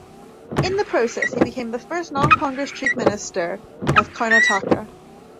In the process, he became the first non-Congress chief minister of Karnataka.